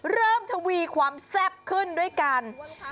ทวีความแซ่บขึ้นด้วยกัน